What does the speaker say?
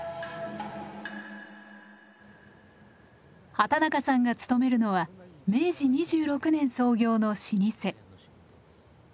畠中さんが勤めるのは明治２６年創業の老舗。